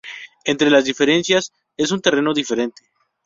Entre las diferencias es un terreno diferente.